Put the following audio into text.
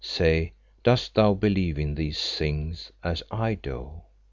Say, dost thou believe these things, as I do?"